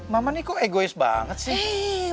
mama nih kok egois banget sih